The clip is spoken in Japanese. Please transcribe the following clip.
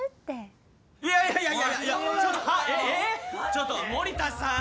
ちょっと守田さん！